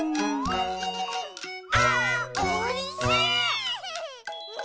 「あーおいしい！」